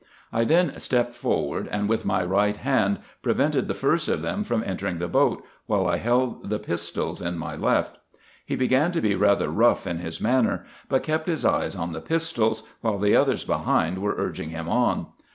I then stepped forward, and with my right hand prevented the first of them from entering the boat, while I held the pistols in my left. He began to be rather rough in his manner, but kept his eyes on the pistols, while the others behind were urging him on.